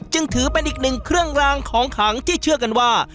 จึงถือเป็นอีกหนึ่งเครื่องรางของขังที่เชื่อกันว่า